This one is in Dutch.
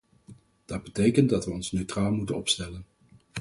Dat betekent dat we ons neutraal moeten opstellen.